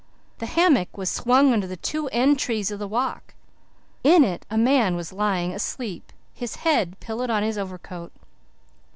The hammock was swung under the two end trees of the Walk. In it a man was lying, asleep, his head pillowed on his overcoat.